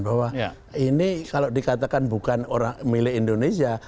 bahwa ini kalau dikatakan bukan orang milik indonesia